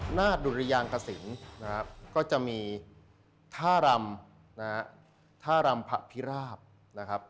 หน้าดุรยางกระสินก็จะมีท่ารำท่ารำพระพิราบ